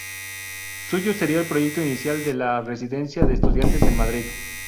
Suyo sería el proyecto inicial de la Residencia de Estudiantes, en Madrid.